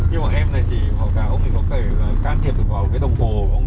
nhưng mà em này thì họ cáo ông ý có thể can thiệp vào cái đồng hồ của ông ý